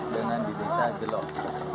dengan di desa jelok